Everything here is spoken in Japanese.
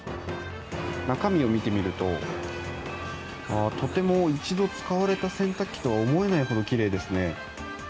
中身を見てみるととても一度使われた洗濯機とは思えないほどきれいですね。